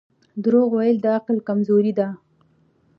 • دروغ ویل د عقل کمزوري ده.